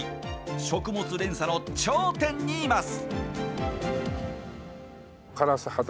食物連鎖の頂点にいます。